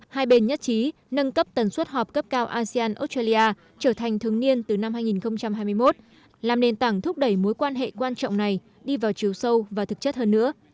hai bên nhất trí nâng cấp tần suất họp cấp cao asean australia trở thành thương niên từ năm hai nghìn hai mươi một làm nền tảng thúc đẩy mối quan hệ quan trọng này đi vào chiều sâu và thực chất hơn nữa